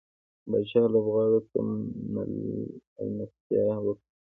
پاچا لوبغاړو ته ملستيا وکړه.